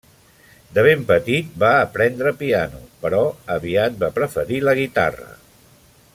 De ben petit va aprendre piano, però aviat va preferir la guitarra.